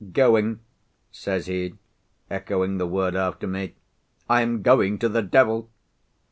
"Going?" says he, echoing the word after me. "I am going to the devil!"